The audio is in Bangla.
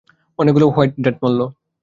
অনেকগুলো হোয়াইট ডেথ মরলো।